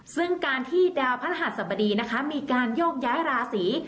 ซึ่งการที่ดาวพระรหัสสบดีนะคะมีการโยกย้ายราศี